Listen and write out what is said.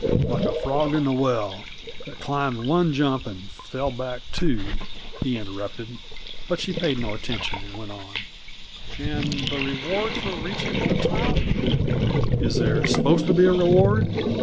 "Like the frog in the well that climbed one jump and fell back two!" he interrupted, but she paid no attention, and went on. "And the reward for reaching the top " "Is there supposed to be a reward?"